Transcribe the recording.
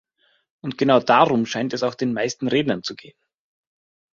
Und genau darum scheint es auch den meisten Rednern zu gehen.